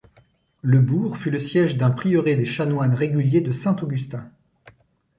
Le bourg fut le siège d'un prieuré des chanoines réguliers de saint Augustin.